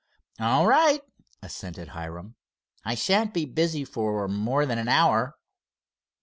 "All right," assented Hiram, "I shan't be busy for more than an hour."